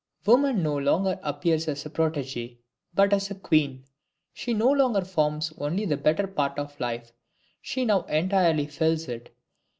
Woman no longer appears as a protegee, but as a queen; she no longer forms only the better part of life, she now entirely fills it.